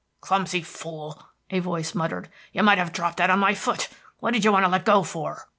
"Clumsy fool," a voice muttered. "You might have dropped that on my foot. What did you want to let go for?"